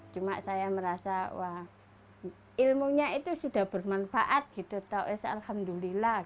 cuma saya merasa wah ilmunya itu sudah bermanfaat gitu taues alhamdulillah